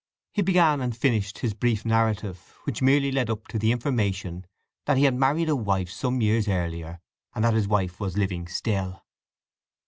He began and finished his brief narrative, which merely led up to the information that he had married a wife some years earlier, and that his wife was living still.